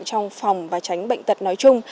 trong phòng và tránh bệnh tật nói chung